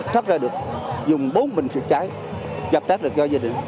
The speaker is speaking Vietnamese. thất ra được dùng bốn bình xịt cháy gặp tác lực cho gia đình